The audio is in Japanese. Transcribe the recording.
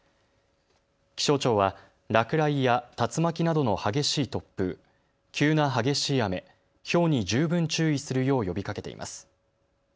気象庁は落雷や竜巻などの激しい突風、急な激しい雨、ひょうに十分注意するよう呼びかけています。